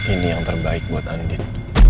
ini yang terbaik buat andin